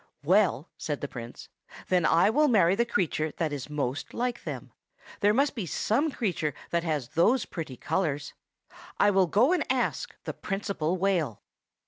"Well," said the Prince, "then I will marry the creature that is most like them. There must be some creature that has those pretty colors. I will go and ask the Principal Whale."